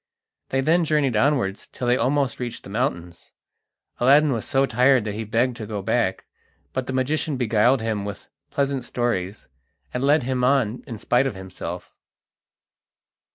They then journeyed onwards till they almost reached the mountains. Aladdin was so tired that he begged to go back, but the magician beguiled him with pleasant stories, and led him on in spite of himself.